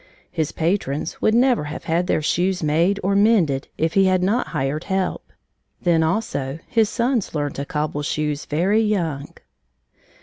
His patrons would never have had their shoes made or mended if he had not hired help. Then, also, his sons learned to cobble shoes very young.